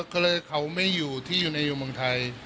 ก็เลยเขาไม่อยู่ที่อยู่ในอยู่เมืองไทย